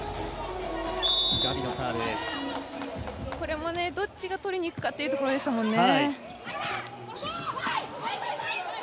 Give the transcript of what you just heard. これもどっちが取りにいくかというところでしたもんね。